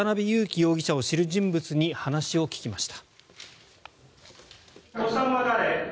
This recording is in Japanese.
容疑者を知る人物に話を聞きました。